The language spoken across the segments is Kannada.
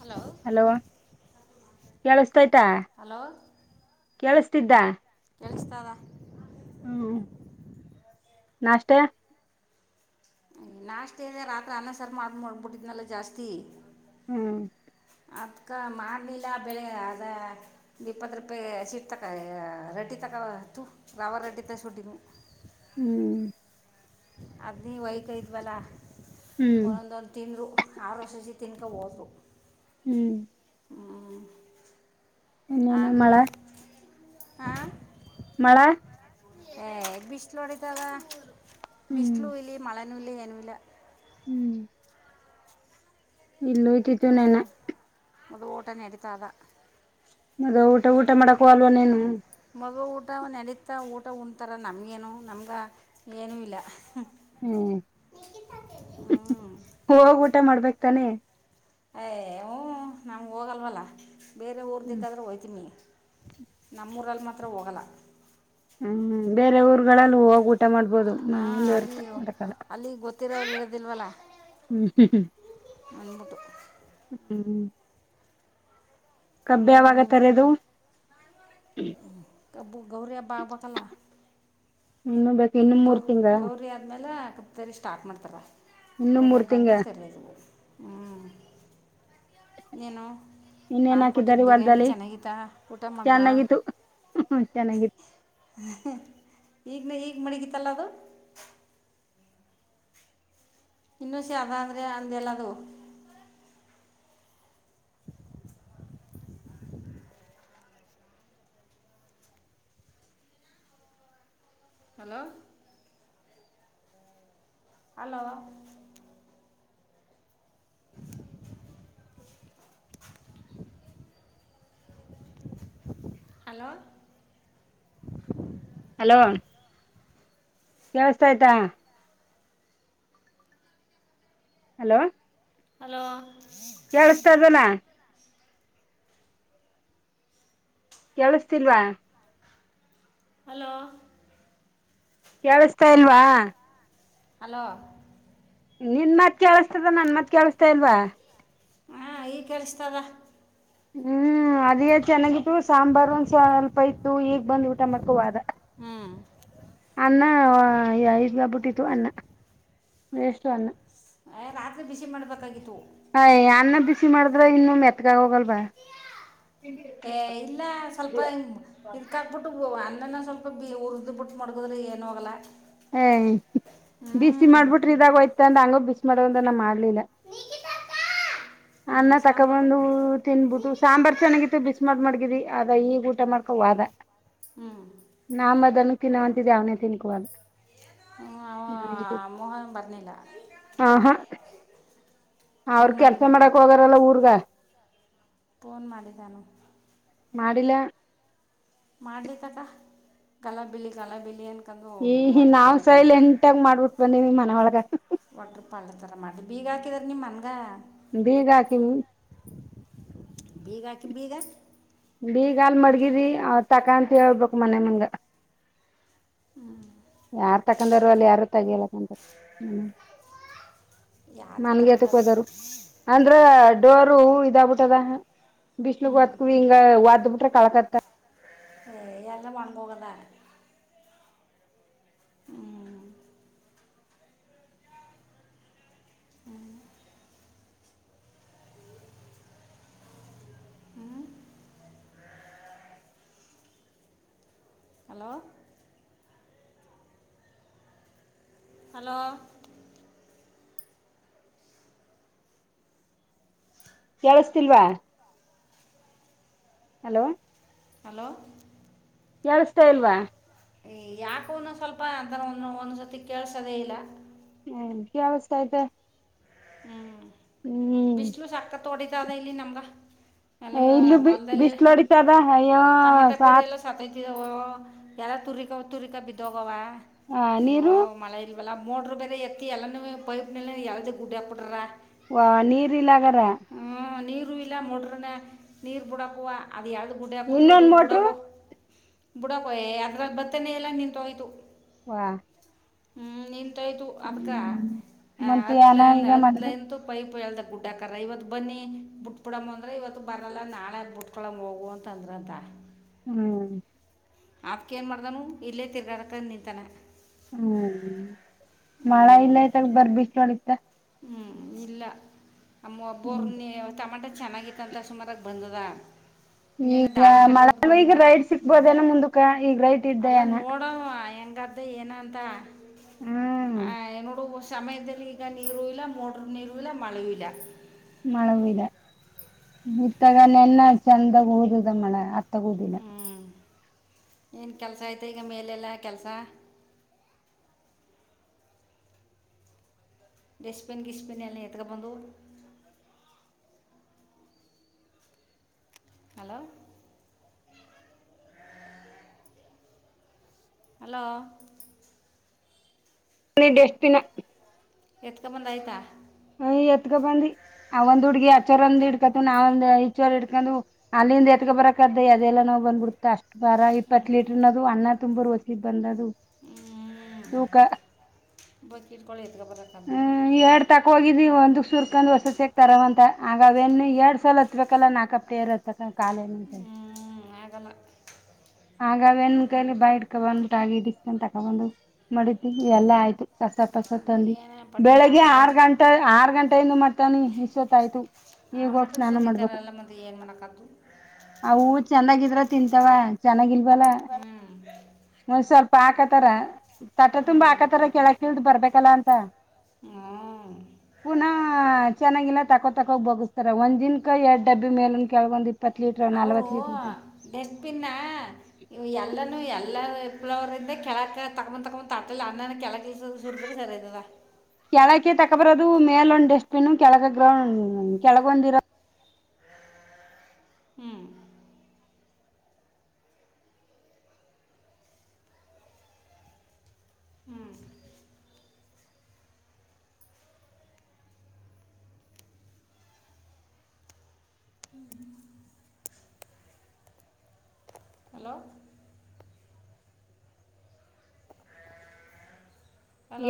ಹಲ ಹಲೋ ಕೇಳ. ಆಯ್ತಾ ಹಲೋ ಕೇಳ ಇದ್ದ ಎಳಿಸ್ತದ ಹ್ಮ್ ನಾಷ್ಟಾ ನಾಷ್ಟ ಇದೆ ರಾತ್ರಿ ಅನ್ನಸರ್ ಮಾಡ ಮಾಡಬಿಟ್ಟಿದ್ನಲ್ಲ ಜಾಸ್ತಿ ಹ್ಮ್ ಅದ್ಕಮಾಡಲಿಲ್ಲ ಬೆಳೆ ಅದ ಇಪ್ಪತ್ತು ರೂಪಾಯಿ ಸೀಟ್ ತಕ ರೆಡ್ಡಿ ತಗೊತು ರವ ರೆಟ್ಟಡಿ ತಗ ಸುಟ್ಟಿದ ಹ್ಮ್ ಅದ್ ನೀವ ವತ ಇದ್ವಲ್ಲಾ ಹ್ಮ್ ಹೊಂದೊಂತಿದ್ರು ಅವರು ಹಸಿ ತಿಂದ್ರು ನವದುು [unintelligible] ಹ್ಮ್ ಇನ್ನೇನು ಮಳೆ ಆ ಮಳ ಹಏ ಬಿಸ ನೋಡಿತಗ ಹ್ಮ್ ಬಿಸಲು ಇಲಿ ಮಳೆ ಅನೂಲ್ಲ ಯಏನವಿಲ್ಲ ಹ್ಮ್ ಇಲ್ಲೂ ಇಯ್ತಿತ್ತುು ನೆನ ಇನ್ನೇನು [unintelligible] ಅದು ಓಟನ ಎಡತಾದಾ ಅದ ಊಟ ಊಟ ಮಾಡಕ ಅಲ್ವನೇನು ಮಗು ಊಟ ನಡೀತಾ ಊಟ ಉಂನ್ತರೆ ನಮಗೇನು ನಮ್ಗೆ ಏನೂ ಇಲ್ಲ ಹ್ಮ್ ಹ್ಞೂ ಹೋಗ ಊಟ ಮಾಡ್ಬೇಕ ತನೆ ಏ ಹು ನಮ್ಗೂಗಲ್ವಲ್ಲ [unintelligible] ಬೇರೆ ಹ್ಮ್ ಊರುದೇಕಾದ್ರೆ ಹೋಗ್ತೀನಿ ನಮ್ಮೂರಲ್ಲಿ ಮಾತ್ರ ಹೋಗಲ್ಲ ಹ್ಮ್ ಬೇರೆ ಊರ್ಗಳಲ್ಲಿ ಹೋಗು ಊಟ ಮಾಡ್ಬೋದು ಮುಂದೆ ಇರುತ್ತೆ ಮೆ ಕಾಲ [unintelligible] [unintelligible] ತ್ತರರೋದಲ್ವಲ ಹ್ಮ್ ಹ್ಮ ಅಂದಬಿಟ್ಟು ಹ್ಮ್ ಕಬ್ಬಿ ಯಾವಾಗ ತರೆದು ಬ್ಬ ಗೌರಿ ಹಬ್ಬಬ ಕಲ್ಲ ಇನ್ನು ಬೇಕು ಇನ್ನು ಮೂರ್ ತಿಂಗ ಸರಿ ಸ್ಟಾರ್ ಮಾಡ್ತಾರ ಇನ್ನು ಅವ್ರೇ ಮೂರ್ ತಿಂಗ ಬಂದ್ಮತರ್ಲ [unintelligible] ಹ್ಮ್ [unintelligible] ಏನು ಇನ್ನೇನ್ ನಾನ ಕೊಟ್ಟಿದ್ದ ಹಾಕಿದಾರಿ ಬಿರಿಯಾನಿ ಹೊಲ್ದಲ್ಲಿ ಚೆನ್ನಾಗಿತ್ತ ಊಟ ಮಾಡಿದ್ರ ಚೆನ್ನಾಗಿತ್ತು ಚೆನ್ನಾಗಿತ್ತು ಈಗ ನ ಈಗ ಹಗ್ ಮಣಗತ್ತಲ್ಲ ಅದು ಇನ್ನು ಸ ಅದಂದ್ರೆ ಅಂದೆಲ್ಲದು ಹಲೋ ಹಲೋ ಹಲೋ [unintelligible] ಹಲೋ ಕೆವಸಥ ಆಯ್ತಾ ಹಲೋ ಹಲೋ ಕೇಳಸ್ತಾ ಇದಲ್ಲ ಕೇಳಸ್ತಿಲ್ವಾ ಹಲೋ ಕೇಳಿಸತಾ ಇಲ್ವಾ ಹಲೋ ನಿನ್ ಮತ್ ಕೇಳಸ್ತದ ನನ್ ಮತ್ ಕೇಳಿಸತಾ ಇಲ್ವಾ ಹಾ ಈಗ ಕೇಳ್ಸ್ತಾದ ಹ್ಮ್ ಅದೇ ಚೆನ್ನಾಗಿತ್ತು ಸಾಂಬಾರ್ ಒಂದ್ ಸ್ವಲ್ಪ ಇತ್ತು ಈಗ ಬಂದ್ ಊಟ ಮಾಡ್ಕೋ ಒದೇ ಹ್ಞೂ ಅನ್ನ ಐದು ಬಬುಟ್ಟಿತ್ತು ಅನ್ನ ವಷ್ಟಣ [unintelligible] ರಾತ್ರಿ ಬಿಸಿ ಮಾಡಬೇಕಾಗಿತ್ತು ಹ ಅನ್ನ ಬಿಸಿ ಮಾಡಿದ್ರ ಇನ್ನು ಮೆತ್ಗಾಗ ಹೋಗಲ್ವಾ ಏ ಇಲ್ಲ ಸ್ವಲ್ಪ ಇದ್ಕಾಬಿಟ್ಟು ಅನ್ನನ ಸ್ವಲ್ಪ ಬಿ ಉರ್ಿದ್ ಬಿಟ್ಟ ಮಗದ್ರೆ ಏನ ಹೋಗಲ್ಲ ಏ ಬಿಸಿ ಮಾಡ್ಬಿಟ್ರಿ ಇದಾಗೋಯ್ತ ಅಂದ ಹಂಗ ಬಿಸಿ [unintelligible] ಮಾಡ ಮಾಡ ಳ [unintelligible] ಹ್ಞೂ ಅನ್ನ ಸಾಂಬಾರು ತಕೊಬಂದು ತಿನ್ಬಿಟ್ಟು ಸಾಂಬಾರ್ ಚೆನ್ನಾಗಿತ್ತು ಬಿಸ್ ಮಾಡ ಮಾಡ್ಗಿದಿ ಅದ ಈಗ ಊಟ ಮಾಡ್ಕೋ ಅ ಹ್ಞೂ ನಾಮ ಅದನ್ನು ತಿನ್ನವಂತಿದೆ ಅವನೇ ತಿನ್ಕುವಾಗ [inaudible] ಹ್ಞೂ ಅವ ಮೋಹನ್ ಬರಲಿಲ್ಲ ಆ ಹಾ ಅವ್ರ ಫೋನ್ ಕೆಲ್ಸ ಮಾಡಿದ್ದಾನು ಮಾಡಕ್ ಹೋಗಾರಲ್ಲ ಊರ್ಗ ಫೋನ್ ಮಾಡಿದ್ದಾನು ಮಾಡಿಲ್ಲ ಮಾಡ್ಲಿಕ್ಕದ ಗಲಾ ಬಿಲಿ ಗಲಾ ಬಿಲಿ ಅನ್ ಈ ನಾವ್ ಸೈಲ್ ಎಂಟಾಗ ಮಾಡ್ಬಿಟ್ ಬಂದಿವವಿ ಮನೊಳಗ ಪಳ್ಳೆ ತರ ಮಾಡ್ಿ ಬೀಗ ಹಾಕಿದಾರ ನಿಮ್ ಮನ್ಗ ಬೀಗಹಾಕಿನೀ ಬೀಗ ಹಾಕಿ ಬೀಗ ಬೀಗ ಅಲ್ ಮಡಗಿದ್ರಿ ತಕ ಅಂತ ಹೇಳ್ಬೇಕಕ್ ಮನೆ ಮುಂದೆ ಹ್ಮ್ ಯಾರ್ು ತಕೊಂಡಾರ ಅಲ್ಲಿ ಯಾರು ತಗಿಯಲ್ಲ ಕ ಯಾತಕ್ಕೆ ಮನ್ಗೆತಕ್ಕೆ ತಗೊಂಡರು ಹೋದರು ಅಂದ್ರ ಎಡವರು ಇದಾಗ್ಬಿಟ್ಟ ಅದ ಬಿಷ್ಣು ಹ್ಞೂ ಗತ್ಕೂ ಹಿಂಗಗೆ ವದ್ಬಿಟ್ಟ ಕಲಕತ್ತ ಹಏ ಎ ಎಲ್ಲ ಮಣ್ಣಪೂೋಗಲ್ಲ ಹ್ಮ್ ಹ್ಮ್ ಹ್ಮ ಹಲೋ ಹಲೋ ಕೇಳಿಸತಿಲ್ವಾ ಹಲೋ ಹಲೋ ಎಳ್ಿಸತಾ ಇಲ್ವಾ ಯಾಕುನು ಸ್ವಲ್ಪ ಅಂತರ ಒಂದ್ಸತಿ ಕೇಳಸದೆೇ ಇಲ್ಲ ಹ್ಮ್ ಕೇಳ್ಸ್ತಾತೆ ಹ್ಮ್ ವಿಷ್ಣು ಸಾಕ್ ತೋಡಿತದ ಇಲ್ಲಿ ನಮ್ಗ ಇಲ್ಲ ಬಿಸ್ಲುಡಿತದ ಅಯ್ಯೋ ಟಮಟ ಸಾ ಪೇರೆ ಎಲ್ಲ ಸತ್ತೋಯ್ತಿದಾವೋ ಎಲ್ಲ ತುರಿಕ ತುರಿಕಾ ಬಿದ್ದೋಗವ ಆ ಅಯೋ ನೀರು ಮಳ ಇ ಲ್ಲ ಮೂಡ್ರು ಬೇರೆ ಎತ್ತಿ ಎಲ್ಲೂ ಪೈ ಎದ ಗೋಡಿಯಾಕ್ಬಿಟ್ಟರ ವ ನೀರ್ ಇಲ್ಲಗಾರ ರು ಇಲ್ಲ ಮೋಡ್ರೆ ನೀರ್ ಬುಡಕುವ ಅ ಅ ಯಾವು ಗುಟ ಕುಟ್ಟಿ ಒ ಇನ್ನೊಂದ್ ಮೋಟ್ರು ಉಪ್ಪುಡಕೋ ಬುಡಕೋಯ ಅದ್ರ ಬತ್ತನೆ ಎಲ್ಲ ನಿನ್ ತ ಹೋಯ್ತು ವಾ ಹ್ಮ್ ನೀ ಹತ್ತೈದು ಅದಕ್ಕೆ ಹ್ಮ್ ನ್ ಮತ್ತೆ ಅನ ಈಗ ಆತ್ ಮಾಡಿದ ಲೈನ್ ಪೈಪ್ ಳದ ಗುಡ್ಡಾಕ್ರ ಇವತ್ ಬನ್ನಿ ಬಿುಟ್ ಬಿಡಮ ಅಂದ್ರ ಇವತ್ತು ಬರಲ್ಲ ನಾಳೆ ಬಿುಟ್ಕೊಳಮ ಹೋಗುವ ಅಂತ ಅಂದ್ರ ಅಂತ ಹ್ಮ್ ಅಪ್ಕೇಏನು ಮಾಡ್ದನು ಇಲ್ಲೇ ತಿರ್ಗಾರಕ್ಕ ನಿಂತಾನ ಹ್ಮ್ ಮಳ ಹ್ಞೂ ಇಲ್ಲ ಆಯ್ತಗ ಬರ್ಬಿಟ್ಟು ನೋಡತ್ತ ಹ್ಞ ಇಲ್ಲ [inaudible] ಬರ್ನಿ ತಮಟ ಚೆನ್ನಾಗಿತ್ತ ಅಂತ ಸುಮಾರಾಗಿ ಬಂದದ ಇನ್ನೇನು ಈಗ ದಾರ ಕಟ್ಟೋದು ಮಳೆ ಬಂದ ಈಗ ರೈಡ್ ಹ್ಮ್. ಸಿಕ್ಬೋದೇನ ಮುಂದಕ ಈಗ ರೈಟ್ ಇದ್ದ ನ ಹಂಗ್ದ ಏನ ಅಂತ ಹ್ಮ್ ಆ, ನೋಡು ಸಮಯದಲ್ಲಿ ಈಗ ನೀರುೂ ಇಲ ಮೋಟರ್ ನೀರು ಇಲ್ಲ ಮಳೆಯ ಇಲ ಮಳೆವೂಡ ಇತ್ತಾಗ ನೆನ್ನ ಚಂದಾಗ ಓದದ ಮಳೆ ಅ ತಗದಿನ ಹ್ಞೂ ಏನು ಕೆಲಸ ಐತೆ ಈಗ ಮೇಲೆಲ್ಲ ಕೆಲಸ ಡಸ್ಪಿನ್ ಕಿಸಪನ್ ಎಲ್ಲಿತಕ ಬಂದು ಹಲೋ ಹಲೋ ನೆ ಡಸ್ಟ್ಬಿನ [inaudible] ಎತ್ಕ ಬಂದ ಆಯ್ತಾ ಯ್ ಎತ್ಕ ಬಂದಿ ಅವ ಒಂದ್ ಹುಡ್ಗಿ ಆಚ್ಚರ ಒಂದ್ ಇಡ್ಕತ ನಾವಂದ್ ಈಚೋರ್ ಹಿಡ್ಕೊಂಡು ಅಲ್ಲಿಂದ ಎತ್ಕ ಬರಕದ್ದ ಅದೆಲ್ಲ ನಾವವು ಬಂದ್ಬಿಡ್ತ ಅಷ್ಟ ಬರ ಇಪ್ಪತ್ತು ಲೀಟರ್ನದು ಅನ್ನ ತುಂಬಾ ರ ವಸಿದ ಬಂದ ಅದು ಹ್ಮ ಬೈಕೆಟ್ ಕೊಳ ಎದಕಬೇಕ ದಕಾರ ಹೋಗಿದ್ರಿ ಒಂದಕ್ ಸೂರ್ಕಂಡ್ ಹೊಸಕ್ ತರವಂತ ಆಗ ಅವನ್ ಎರಡ್ ಸಲ್ ಹತ್ಬೇಕಲ್ಲ ನಾಲ್ಕಪ್ಪೇರ್ ಹತ್ತಕ್ಕ ಕಾಲ ಆಗಲ್ಲ ಆಗನ್ ಕೈಲಿ ಬೈಡ್ಕ ಬಂದ್ಬಿಟ್ಟಷ್ಟಂತ ತಗೊಂಡು ಮಡಿದವಿ ಎಲ್ಲಾ ಆಯ್ತು ಕಸ ಕಸ ಏನೇ ಪಟಿ ಆ ತಂದೀಬೆಳಿಗ್ಗೆ ಥರ ಆರ್ ಗಂಟೆ ಆರ್ ಗಂಟೆಯಿಂದ ಮಾಡ್ತಾನ ಇಶವತ್ ಆಯ್ತು ಆ ಈಗ ಹೋಗ ಮಟ್ಟಕ್ಕೆ ಸ್ನಾನ ಮಾಡ್ಬೇಕು ಸುರಿತಾರಲ್ಲ ಮತ್ತೆ ಏನು ಮಾಡೋಕ್ಕದ್ದು ಆ ಹೂ ಚೆಂದಾಗಿದ್ರ ತಿಂತಾವ ಚೆನ್ನಾಗಿಲ್ವಲ್ಲ ಚೆನ್ನಾಗಿಲ್ವಾ ಒಂದ ಸ್ವಲ್ಪ ಆಕ ತರ ತಟ ತುಂಬಾ ಹಾಕತ್ತಾರ ಕೆಳ ಕಳ್ದ್ ಬರ್ಬೇಕಲ್ಲ ಅಂತ ಪುನಃ ಚೆನ್ನಾಗಿಲ್ಲ ತಕೊತಕೋಗ ಬೋಗಗಿಸಸ್ತಾರ ಒಂದ್ನ್ ಕ ಎರಡ್ ಡಬ್ಬಿ ಮೇಲನ್ ಕೆಳಗೊಂದಿ ಅವರು ಡಸ್ಬಿನ್ ಎಲ್ಲ ಎ ಎಲ್ಲ ಇಪ್ಪಲವ್ರ ಕೆಳಕ್ ತಗೊಂದ್ ತಗಕೊ ಆ ಅನ್ನನ ಕೆಳಕ್ ಸುರಿದ್ರರು ಸರಿ ಆಯ್ತದ ಕೆಳಕ ತಕೊಬರೋದು ಮೇಲ ಒಂದುಡಸ್ಟಕೆಳಗ ಗ್ರೌಂಡ್ ಕೆಳಗೊಂದಿರ ಹ್ಮ್ ಹಲೋ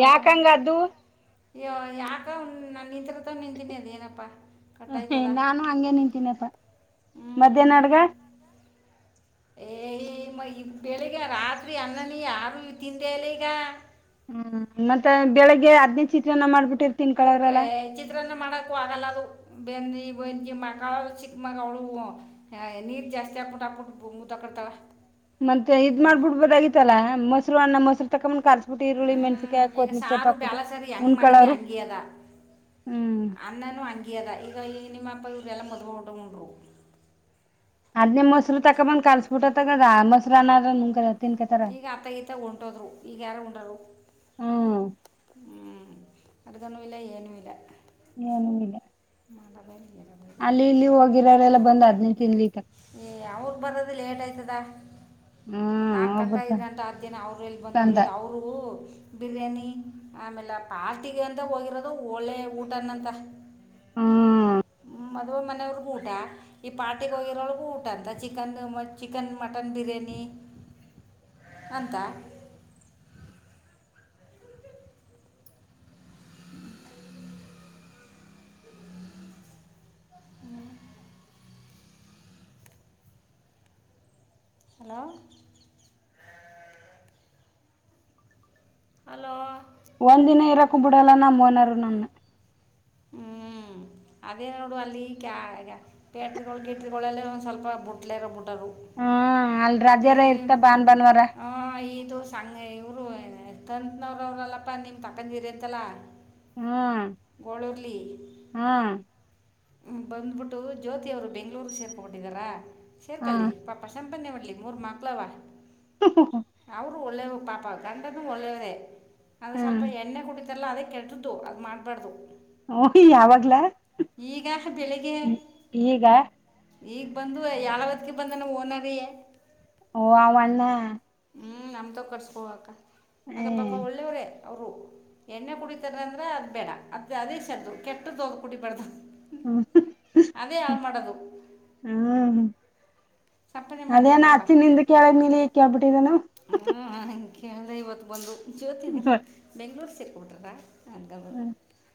ಯಾಕಂಗ್ದು ಯಾಕ ನ ನಿಂತರತ ನಿಂತೀನಿ ಅದೇಏನಪ್ಪಾ ಕಟ್ಟ ಆಯ್ತದ ನಾನು ಹಂಗೆ ನಿಂತೀನಪ್ಪಾ ಹ್ಮ್ ಮಧ್ಯಾಹ್ನ ಅಡ್ಗ ಏ ಮ ಈ ಬೆಳಿಗ್ ರಾತ್ರಿ ಅಣ್ಣನಿ ಯಾರ ತಿಂದೆಲ್ಲ ಈಗ ಹ್ಮ್ ಮತ್ತೆ ಬೆಳಿಗ್ಗೆ ಹದ್ನೇ ಚಿತ್ರಾನ್ನ ಮಾಡ್ಬಿಟ್ಟ ಕುಕ್ ಚಿತ್ರಾನ್ನ ಮಾಡಕೂ ಆಗಲ್ಲ ಅದು ಬೆಂದಿ ಬೆಂದಿ ಮಕ್ಕಾಳ ಚಿಕ್ಕ ಮಾಗ ಅವಳು ನೀರ್ ಜಾಸ್ತಿ ಆಕ್ಬಿಟಾ ಹಾಕ್ಬಿಟ್ಟು ಕರ್ತಾರ ಮತ್ತೆ ಇದ್ ಮಾಡ್ಬಿಡ್ಬದ ಆಗತ್ತಲ್ಲ ಮತ್. ಸ ಮಸರು ತ ಕಮ್ಮ ಹ್ಮ್ ಈಗ ಸಾರು ಬಳ ಸರಿ ಹೆಂಗ್ ಮಾಡಿದಿ ಉಣ್ಕಳೋರು ಅಂಗಿ ಅದ ಹ್ಮ್ ಅನ್ನನುೂ ಅಂಗಿ ಅದ ಈಗ ಈಗ ನಿಮ್ಮ ನ ಇ ಎಲ್ಲ ಮೊದಲುಊಟ ಉಂಡರು ಅದನಿ ಮಸರು ತಕ್ ಬಂದ್ಬುಟ್ಟು ತಾ ಮ ಕಲ್ಸಫುಟತ ಮಸರು ಅನ ಈಗ ಆತಗತ ಹೊಂಟೋದ್ರು ಈಗ ಯಾರು ಉಂಡರು ಹ್ಮ್ ಹ ಅರ್ಗನೂ ಇಲ್ಲ ಏನುೂ ಇಲ್ಲ ಏನಂಗಿದೆ ಮಾತ ಬೈಕ ಅಲ್ಲಿ ಇಲ್ಲಿ ಹೋಗಿರೋರೆಲ್ಲ ಬಂದ್ ಹದ್ನ ತಿನ್ಲಿ ಏ ಯಾವಾಗ ಬರದು ಲೇಟ್ ಆಯ್ತದ ಹ್ಮ್ ನಾಕ ಗಂಟಾ ಒಬ್ರು ಐದ್ ಗಂಟಾ ಹದ್ ದಿನ ಅವರು ಎಲ್ಲಿ ಬಂದವರು ತಂದ ಈಗ ಅವರು ಬಿರಿಯಾನಿ ಆಮೇಲೆ ಪಾರ್ಟಿಗೆ ಅಂತ ಹೋಗಿರೋದು ಒಳ್ಳೆ ಊಟನಂತ ಹ್ಮ್ ಮದುವೇ ಮನೆಯವರಿಗೆ ಊಟ ಈ ಪಾಟಿಗೆ ಹೋಗಿರೋರಿ ಊಟ ಅಂತ ಚಿಕನ್ ಮ ಚಿಕನ್ ಮಟನ್ ಹಲೋ ಹಲೋ. ಒಂದು ದಿನ ಇರಕ್ಕು ಬಿಡಲ್ಲ ನಮ್ಮ ಓನರ್ ನನ್ನ ಹ್ಞ ಅದೇ ನೋಡು ಅಲ್ಲಿ ಕ ಪೇಟ್ರಿಗಳು ಕೇಟ್ರಿಗಳೆಲ್ಲ ಒಂದು ಸ್ವಲ್ಪ ಬುಟ್ಲೆೇ ಇರೋಬ ಬಿಟ್ಟೋರು ಹಾ ಅಲ್ ರಜಾನೆ ಇರುತ್ತೆ ಭಾನುವಾರ ಆ, ಇದು ಸಂ ಇವರು ಕಂತುನವರು ಅವ್ರಲ್ಲಪ್ಪಾ ನೀವು ತಾಕತಿದ್ರಾತಲ್ಲ ಹ್ಮ್ ಗೋಳುರಿಲ್ಲಿ ಹ್ಮ್ ಹ್ಮ ಬಂದ್ಬಿಟ್ಟು ಜ್ಯೋತಿ ಅವ್ರು ಬೆಂಗ್ಳೂರ್ ಸೇರ್ಕಬಟ್ಟಿದಾರ ಸೇರ್ಕಲ್ಲಿ ಹ್ಮ್ ಪಾಪ ಒಟ್ನಲ್ಲಿ ಮೂರೂ ಮಕ್ಕಳವ [inaudible] ಒಳ್ಳೇವ ಪಾಪ ಗಂಡನು ಒಳ್ಳೇವರೇ. ಅದು ಸ್ವಲ್ಪ ಹ್ಮ್ ಎಣ್ಣೆ ಕುಡೀತಾರೆ ಇಲ್ಲ ಅದೇ ಕೆಟ್ಟದ್ದು ಅದು ಮಾಡಬಾರ್ದು ಓ ಯಾವಾಗ್ಲ. ಈಗ ಬೆಳಿಗ್ಗೆ ಈಗ ಈಗ ಬಂದು ಯಲವತಿಗ್ಗೆ ಬಂದನ ಓನರಿಯೆ. ಓ ಅವಣ್ಣ ಹ್ಮ್ ನಮ್ಮತವು ಕಟ್ಟಿಸ್ಕೊಹೋಗಕ್ಕಾ ಏ ಹಾಗ ಪಾಪ ಒಳ್ಳೆವರೆ ಅವರು ಎಣ್ಣೆ ಕುಡಿತಾರೆ ಅಂದ್ರೆ ಅದು ಬೇಡ ಅದು ಅದೇ ಸ ಕೆಟ್ಟದ್ದೋದ ಕುಡಿಬಾರ್ದ ಹ್ಮ್ ಅದೇ ಹಾಳು ಮಾಡೋದು ಹ್ಮ್ ಸಂಪಾದನೆ ಮಾಡಲಿ ಅದೇನ ಅಚ್ಚಿ ನಿಂದು ಕೇಳದ್ ಮೇಲಿ ಕೇಳಿಬಿಟ್ಟಿದನು. ಹಗೆ ಕೇಳಿದೆ ಇವತ್ತು ಬಂದು ಜ್ಯೋತಿ ಬೆಂಗಳೂರು [inaudible] ಅಂತಬೋದು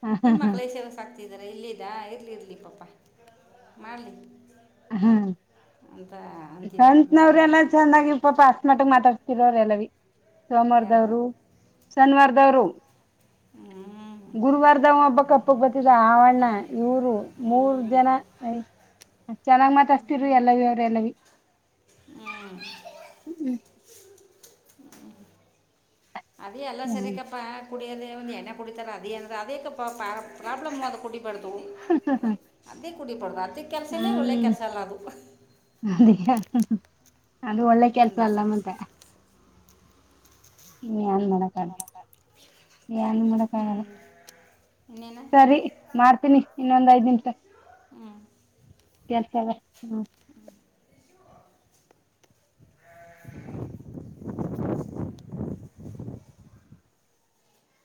ಹ ನಿಮ್ಮ ಮಕ್ಕಳೇ ಸೇವೆ ಸಾಕ. ಹತಿದರ ಇಲ್ಲಿದಾ ಇರ್ಲಿ ಇರ್ಲಿ ಪಾಪಾ ಮಾಡಲಿ ಹ್ಮ್ ಅಂತ ಅಂತಿದ್ದ ಕಂತು ಬೆಳಿಗ್ಗೆ ಅವ್ರೆಲ್ಲ ಚಂದಾಗಿ ಪಾಪ ಅಷ್ಟ ಮಟ್ಟಗ ಮಾತಾಡ್ತರೇ ಎಲ್ಲವಿ ಯಾರು ಸೋಮಾರದವರು ಶನಿವಾರದವ್ರು ಹ್ಮ್ ಗುರುವಾರದ ಒಬ್ಬ ಕಪ್ಪುಗೆ ಬರ್ತಿದ್ದ ಆವಣ್ಣ ಇವರು ಮೂರ್ ಹ್ಞೂ ಜನ ಚೆನ್ನಾಗ್ ಮಾತಡ್ತಿದ್ರು ಎಲ್ಲವಿ ಅವ್ರ ಎಲ್ಲವಿ ಹು ಹ್ಮ್ ಅ ಎಲ್ಲ ಸರಿ ಹ್ಮ್ ಕಪ್ಪ ಕುಡಿಯದೇ ಒಂದು ಎಣ್ಣ ಕುಡಿತಾರೆ ಅದೇ ಅಂದ್ರ ಅದಕ್ಕೆ ಪ್ರಾಬ್ಲಮ್ ಅ ಕುಡ. ಬದು ಅದ ಕುಡಿಬಡ್ವಾರೆ ಅದ ಕೆಲಸಲ್ಲೇ ಒಳ್ಳೆ ಹ್ಮ್ ಕೆಲಸ ಎಲ್ಲ ಅದು. ಅದ ಅದು ಒಳ್ಳೆ ಕೆಲ್ಸ ಅಂದ ಅಲ್ಲ ಮತ್ತೆ. ಹ್ಮ್. ನ್ ಮಾಡಕ ಏನ್ ಮಾಡಕ್ ಹ್ಞೂ ಆಗಲ್ಲ ಇನ್ನೇನು ಸರಿ ಮಾಡ್ತೀನಿ ಇನ್ನೊಂದ್ ಐದ್ ದನ್ಸ. ಹ್ಞೂ ಕೆಲ್ಸವ ಹ್ಮ [unintelligible]